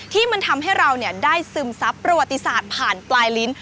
ที่มันทำให้เราได้ซึมซับประวัติศาสตร์ผ่านปลายลิ้น